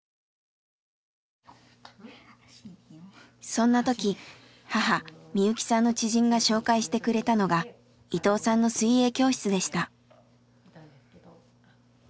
そんな時母美雪さんの知人が紹介してくれたのが伊藤さんの水泳教室でした。